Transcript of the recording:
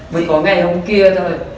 mình có ngày hôm kia thôi